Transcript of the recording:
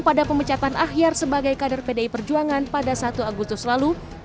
pada pemecatan ahyar sebagai kader pdi perjuangan pada satu agustus lalu